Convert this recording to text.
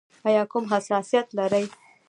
ایا کوم حساسیت لرئ؟